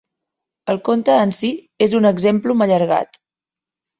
El conte en si és un exemplum allargat.